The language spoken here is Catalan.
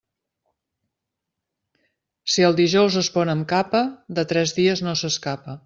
Si el dijous es pon amb capa, de tres dies no s'escapa.